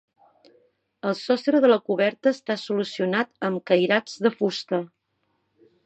El sostre de la coberta està solucionat amb cairats de fusta.